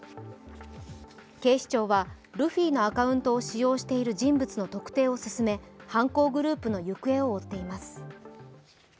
警視庁は、ルフィのアカウントを使用している人物の特定を進め、犯行グループの行方を追っています。